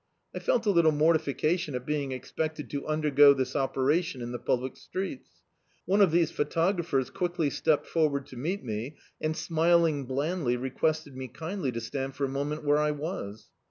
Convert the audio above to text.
I felt a little mortification at being expected Co un dergo this operation in the public streets. One of these photographers quickly stepped forward to meet me, and, smiling blantUy, requested me kindly to stand for a mranent where I was.